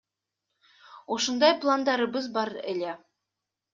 Ушундай пландарыбыз бар эле.